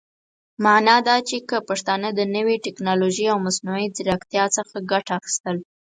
معنا دا چې که پښتانهٔ د نوې ټيکنالوژۍ او مصنوعي ځيرکتيا څخه ګټه اخيستل